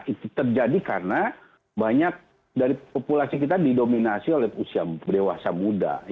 itu terjadi karena banyak dari populasi kita didominasi oleh usia dewasa muda